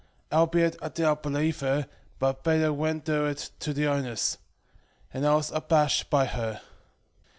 Howbeit I did not believe her, but bade her render it to the owners: and I was abashed at her.